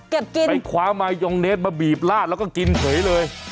กินไปคว้ามายองเนสมาบีบลาดแล้วก็กินเฉยเลย